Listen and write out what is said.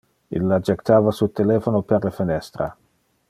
Illa jectava su telephono per le fenestra.